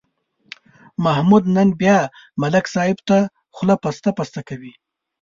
محمود نن بیا ملک صاحب ته خوله پسته پسته کوي.